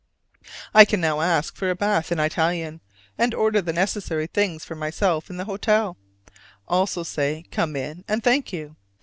I can now ask for a bath in Italian, and order the necessary things for myself in the hotel: also say "come in" and "thank you."